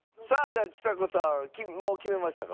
ちさ子さんもう決めましたか？